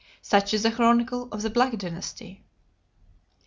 Such is the chronicle of the Black Dynasty."